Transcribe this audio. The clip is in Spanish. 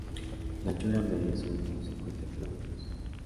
La anchura media son unos cincuenta kilómetros.